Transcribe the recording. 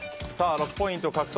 ６ポイント獲得。